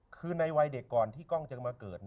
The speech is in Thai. คือในวัยเด็กก่อนที่กล้องจะมาเกิด